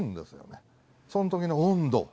そのときの温度。